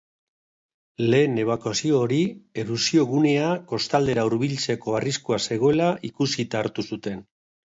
Lehen ebakuazio hori erupziogunea kostaldera hurbiltzeko arriskua zegoela ikusita hartu zuten.